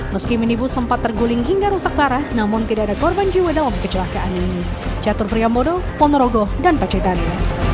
meski minibus sempat terguling hingga rusak parah namun tidak ada korban jiwa dalam kecelakaan ini